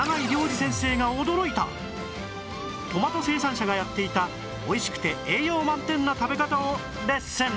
トマト生産者がやっていたおいしくて栄養満点な食べ方をレッスン！